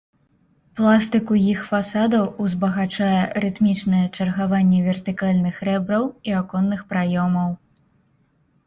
Пластыку іх фасадаў узбагачае рытмічнае чаргаванне вертыкальных рэбраў і аконных праёмаў.